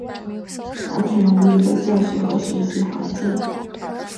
安全无虞的教学和学习环境